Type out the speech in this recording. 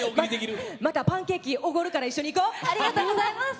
またパンケーキおごるから一緒に行こう！